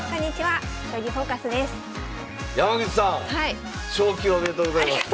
ありがとうございます。